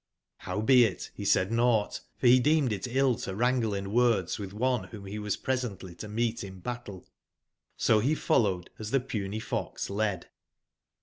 Rowbeit, be said nougbt; for be deemed it ill to wrangle in words witb one wbom be was pre sently to meet in battle; so be followed as tbe puny fox led.